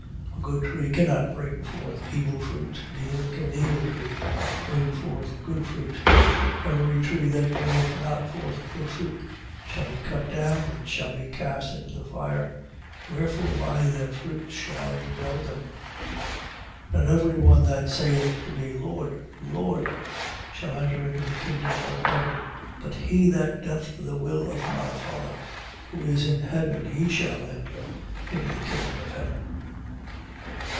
7:18. A good tree cannot bring forth evil fruit, neither can an evil tree bring forth good fruit. 7:19. Every tree that bringeth not forth good fruit, shall be cut down, and shall be cast into the fire. 7:20. Wherefore by their fruits you shall know them. 7:21. Not every one that saith to me, Lord, Lord, shall enter into the kingdom of heaven: but he that doth the will of my Father who is in heaven, he shall enter into the kingdom of heaven.